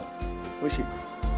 おいしい？